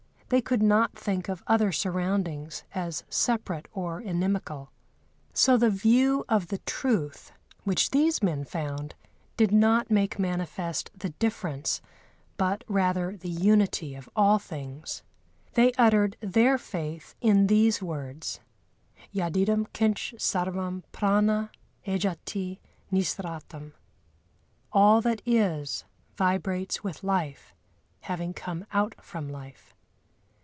They could not think of other surroundings as separate or inimical. So the view of the truth, which these men found, did not make manifest the difference, but rather the unity of all things. They uttered their faith in these words: "Yadidam kinch sarvam prâna éjati nihsratam" (All that is vibrates with life, having come out from life).